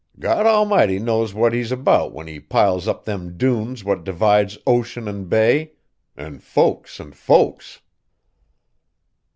God Almighty knows what He's about when He piles up them dunes what divides ocean an' bay; an' folks an' folks!"